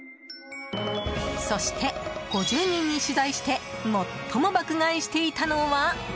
そして、５０人に取材して最も爆買いしていたのは。